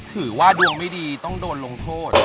ถือว่าดวงไม่ดีต้องโดนลงโทษ